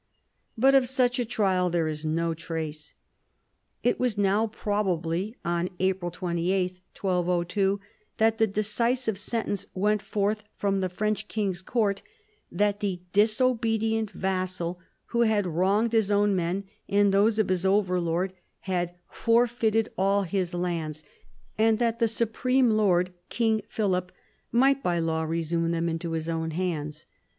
But of such a trial there is no trace. It was now, probably on April 28, 1202, that the decisive sentence went forth from the French king's court that the disobedient vassal who had wronged his own men and those of his overlord had forfeited all his lands, and that the supreme lord, King Philip, might by law resume them into his own hands.